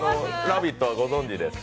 「ラヴィット！」はご存じですか？